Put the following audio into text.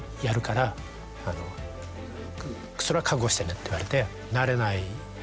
「それは覚悟してね」って言われて。